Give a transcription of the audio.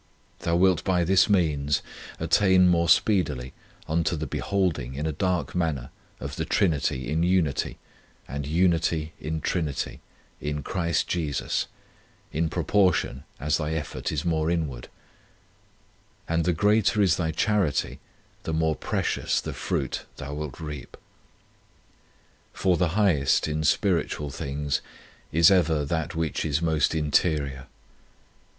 1 Thou wilt by this means attain more speedily unto the beholding in a dark manner of the Trinity in Unity, and Unity in Trinity, in Christ Jesus, in proportion as thy effort is more inward ; and the greater is thy charity, the more precious the fruit thou wilt reap. For the highest, in spiritual things, is ever that which is most interior.